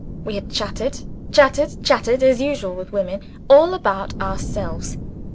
We had chattered, chattered, chattered as usual with women all about ourselves.